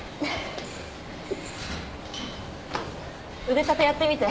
腕立てやってみて。